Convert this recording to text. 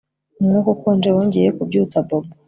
Umwuka ukonje wongeye kubyutsa Bobo